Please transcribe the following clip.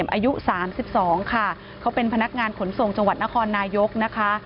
วงสงเหยย์อายุ๓๘นะคะเขาเป็นพนักงานขนทรงจังหวัดนครนายกนะคะ